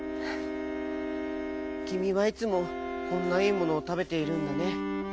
「きみはいつもこんないいものをたべているんだね。